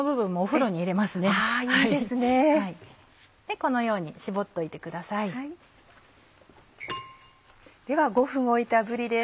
このように搾っておいてください。では５分置いたぶりです。